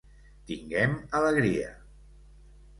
Tinguem alegria!